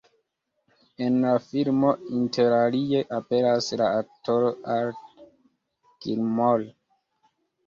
En la filmo interalie aperas la aktoro Art Gilmore.